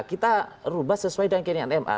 kita rubah sesuai dengan keinginan ma